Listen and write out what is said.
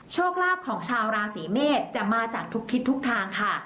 โชคลาภของชาวราศีเมษจะมาจากทุกทิศทุกทางค่ะ